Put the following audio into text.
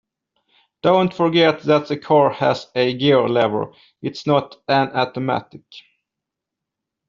Don't forget that the car has a gear lever; it's not an automatic